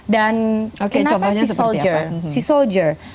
dan kenapa sea soldier